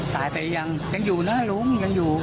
ตายไปยังอยู่นะล้มยังอยู่